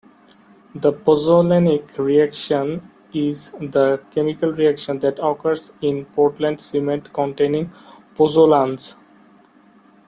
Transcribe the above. The pozzolanic reaction is the chemical reaction that occurs in portland cement containing pozzolans.